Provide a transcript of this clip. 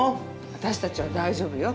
私たちは大丈夫よ。